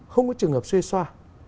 không có trường hợp xoe xoa